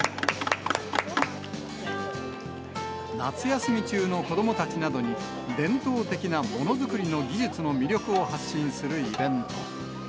夏休み中の子どもたちなどに、伝統的なものづくりの技術の魅力を発信するイベント。